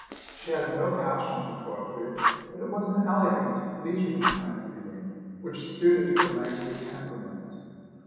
She had no passion for poetry, but it was an elegant leisurely kind of reading which suited her languid temperament.